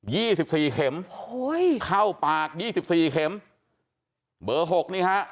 ี่สิบสี่เข็มโอ้ยเข้าปากยี่สิบสี่เข็มเบอร์หกนี่ฮะ